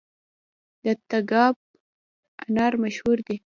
د تګاب انار مشهور دي